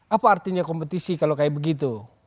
apa artinya kompetisi kalau kayak begitu